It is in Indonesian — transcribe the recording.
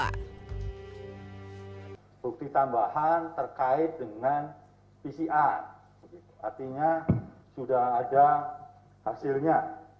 bukti tambahan terkait dengan pcr artinya sudah ada hasilnya